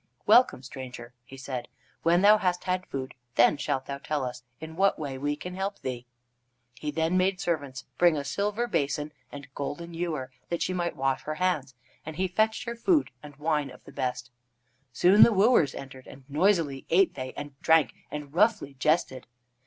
"Welcome, stranger," he said. "When thou hast had food, then shalt thou tell us in what way we can help thee." He then made servants bring a silver basin and golden ewer that she might wash her hands, and he fetched her food and wine of the best. Soon the wooers entered, and noisily ate they and drank, and roughly jested.